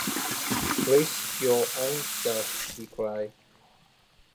“Waste your own stuff!” he cried.